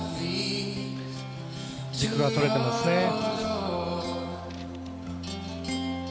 軸が取れてますね。